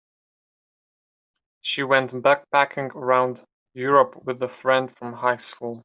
She went backpacking around Europe with a friend from high school.